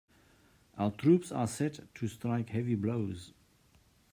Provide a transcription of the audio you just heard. Our troops are set to strike heavy blows.